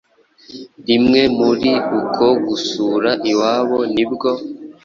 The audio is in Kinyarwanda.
Rimwe muri uko gusura iwabo nibwo